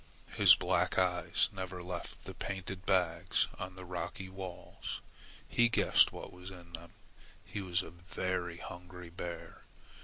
His black eyes never left the painted bags on the rocky walls. He guessed what was in them. He was a very hungry bear.